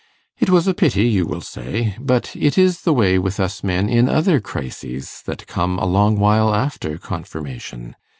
It was a pity, you will say; but it is the way with us men in other crises, that come a long while after confirmation.